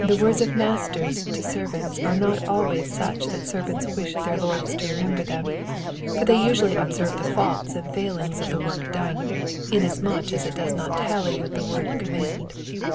The words of masters to servants are not always such that servants wish their lords to remember them ; for they usually observe the faults and failings of the wotk done, inasmuch as it does not tally with the word of command.